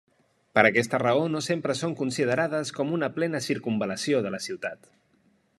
Per aquesta raó no sempre són considerades com una plena circumval·lació de la ciutat.